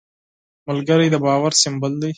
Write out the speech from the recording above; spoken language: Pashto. ملګری د باور سمبول دی